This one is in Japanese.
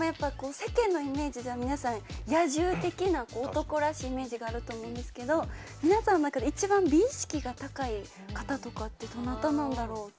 世間のイメージでは皆さん、野獣的な、男らしいイメージがあると思うんですけれども、皆さんの中でイチバン美意識が高い方とかって、どなたなんやろ？って。